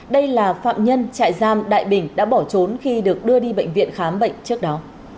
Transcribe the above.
đây là phạm nhân trại giam đại bình đã bỏ trốn khi được đưa đi bệnh viện khám bệnh trước đó